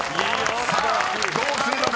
さあどうするのか？